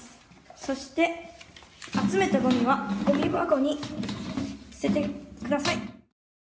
そして集めたごみはごみ箱に捨ててください。